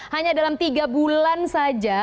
hanya dalam tiga bulan saja